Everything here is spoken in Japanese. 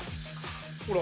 ほら。